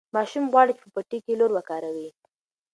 ماشوم غواړي چې په پټي کې لور وکاروي.